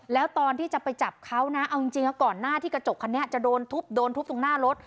แล้วตอนที่จะไปจับเขานะเอาจริงก่อนหน้าที่กระจกคันนี้จะโดนทุบโดนทุบตรงหน้ารถ